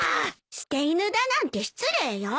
捨て犬だなんて失礼よ。